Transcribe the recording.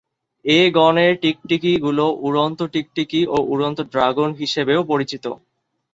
এ গণের টিকটিকি গুলো উড়ন্ত টিকটিকি ও উড়ন্ত ড্রাগন হিসাবেও পরিচিত।